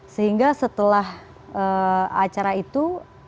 sehingga setelah acara itu